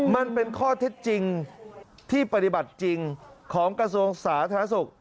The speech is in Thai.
มันเป็นข้อเท็จจริงที่ปฏิบัติจริงของกระทรวงสาธารณสุข